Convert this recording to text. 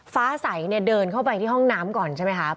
ฟ้าใสเนี่ยเดินเข้าไปที่ห้องน้ำก่อนใช่ไหมครับ